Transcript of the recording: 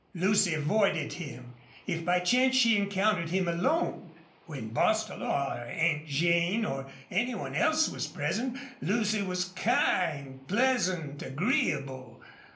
Lucy avoided him, if by chance she encountered him alone. When Bostil or Aunt Jane or any one else was present Lucy was kind, pleasant, agreeable.